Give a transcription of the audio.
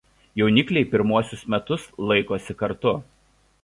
Jaunikliai pirmuosius metus laikosi kartu.